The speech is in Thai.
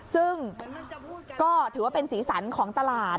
ซึ่งก็ถือว่าเป็นสีสันของตลาด